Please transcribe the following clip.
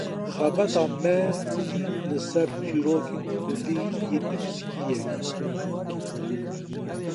Xebata me jî li ser çîrokên kurdî yên nivîskî ye.